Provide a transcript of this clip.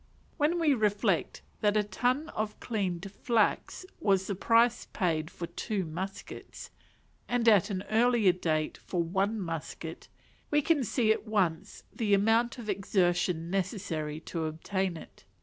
When we reflect that a ton of cleaned flax was the price paid for two muskets, and at an earlier date for one musket, we can see at once the amount of exertion necessary to obtain it.